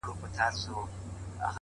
پوه انسان د هر حالت مانا لټوي؛